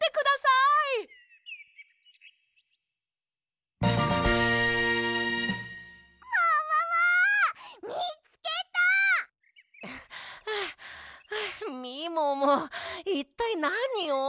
いったいなにを？